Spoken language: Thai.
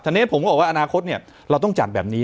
ฉะนั้นผมก็บอกว่าอนาคตเนี่ยเราต้องจัดแบบนี้